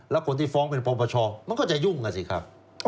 แล้วคนที่ฟ้องเป็นปปชมันก็จะยุ่งกันสิครับ